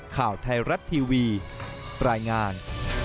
ข่าวไทยรัฐทีวีรายงาน